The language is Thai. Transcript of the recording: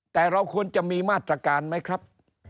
แต่เราควรจะมีมาตรการไหมครับ